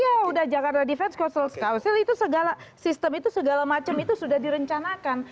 ya sudah jakarta defense coastal system itu segala macam itu sudah direncanakan